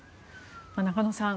中野さん